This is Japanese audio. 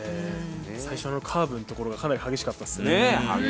最初のカーブのところがかなり激しかったですね。